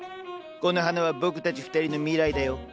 この花は僕たち２人の未来だよ。